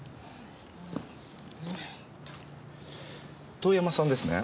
遠山さんですね？